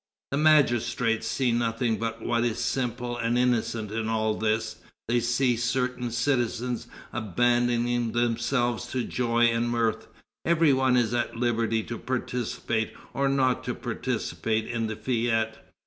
The magistrates see nothing but what is simple and innocent in all this; they see certain citizens abandoning themselves to joy and mirth; every one is at liberty to participate or not to participate in the fête.